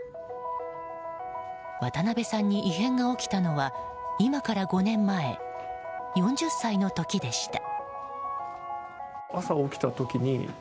渡邊さんに異変が起きたのは今から５年前、４０歳の時でした。